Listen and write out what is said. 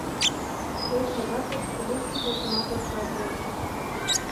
Пел шагат гыч лу шушашымат эрталтен.